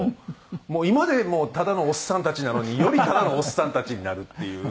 もう今でもただのおっさんたちなのによりただのおっさんたちになるっていう。